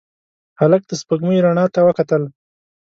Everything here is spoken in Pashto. هلک د سپوږمۍ رڼا ته وکتل.